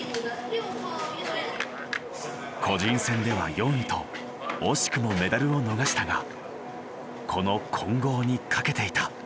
個人戦では４位と惜しくもメダルを逃したがこの混合にかけていた。